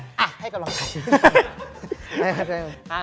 อ่ะให้กันลองครับ